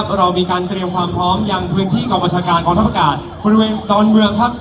ขอบคุณครับเรามีการเตรียมความพร้อมอย่างที่เกาะประชาการบริเวณดอนเมืองครับ